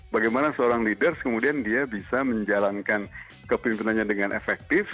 bagaimana seorang leaders kemudian dia bisa menjalankan kepimpinannya dengan efektif